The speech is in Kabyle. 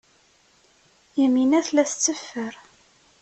Yamina tella tetteffer.